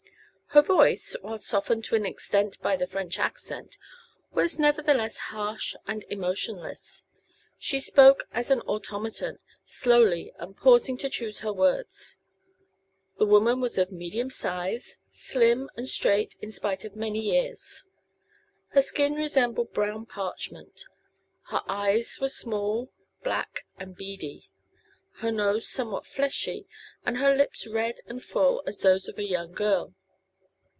Her voice, while softened to an extent by the French accent, was nevertheless harsh and emotionless. She spoke as an automaton, slowly, and pausing to choose her words. The woman was of medium size, slim and straight in spite of many years. Her skin resembled brown parchment; her eyes were small, black and beady; her nose somewhat fleshy and her lips red and full as those of a young girl.